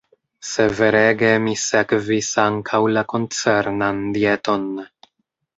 Severege mi sekvis ankaŭ la koncernan dieton.